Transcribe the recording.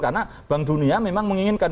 karena bank dunia memang menginginkan